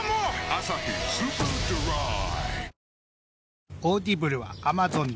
「アサヒスーパードライ」